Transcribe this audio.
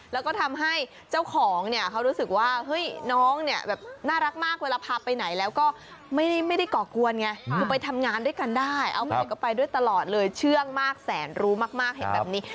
แล้วก็ทำให้เจ้าของเนี่ยเขารู้สึกว่าเฮ้ยน้องเนี่ยแบบน่ารักมากเวลาพาไปไหนแล้วก็ไม่ได้ก่อกวนไงคือไปทำงานด้วยกันได้เอาเมื่อไหร่ก็ไปด้วยตลอดเลยเชื่องมากแสนรู้มากเห็นแบบนี้